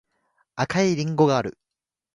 赤いりんごがある